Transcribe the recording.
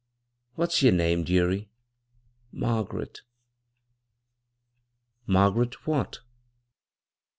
" What's yer name, dearie ?"" Margaret." " Margaret what